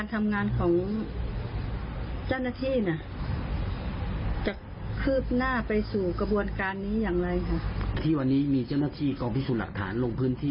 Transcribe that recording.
เราก็มั่นใจครับว่าทางจ้าน๒๖๐๒เลย